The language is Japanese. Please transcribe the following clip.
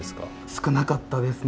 少なかったですね。